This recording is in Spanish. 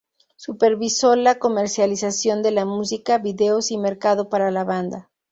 Supervisó la comercialización de la música, videos y mercado para la banda.